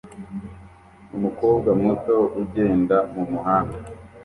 Umukobwa muto ugenda mumuhanda